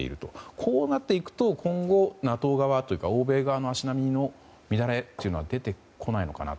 こうなっていくと今後欧米側の足並みの乱れは出てこないのかなと。